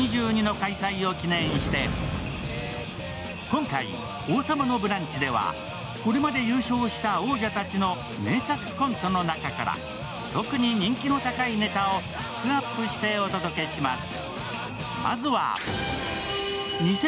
今回、「王様のブランチ」ではこれまで優勝した王者たちの名作コントの中から特に人気の高いネタをピックアップしてお届けします。